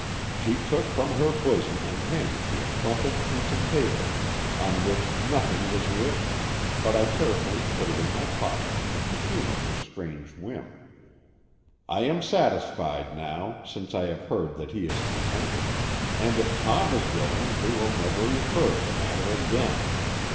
"She took from her bosom and handed me a crumpled piece of paper, on which nothing was written, but I carefully put it in my pocket, to humor her strange whim. "'I am satisfied now, since I have heard that he is contented, and if Tom is willing we will never refer to the matter again.